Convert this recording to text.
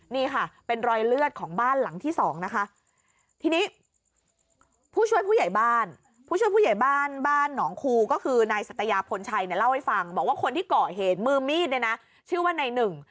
นี่ค่ะเป็นรอยเลือดของบ้านหลังที่สองนะคะทีนี้ผู้ช่วยผู้ใหญ่บ้านผู้ช่วยผู้ใหญ่บ้านบ้านหนองคูก็คือนายสัตยาพลชัยเนี่ยเล่าให้ฟังบอกว่าคนที่ก่อเหตุมือมีดเนี่ยนะชื่อว่านายหนึ่ง